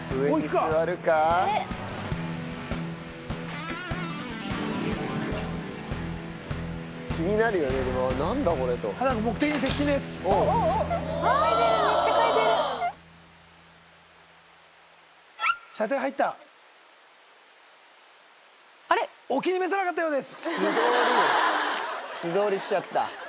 素通り素通りしちゃった。